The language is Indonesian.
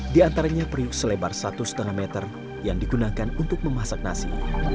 di antaranya periuk selebar satu lima meter yang digunakan untuk memasak nasi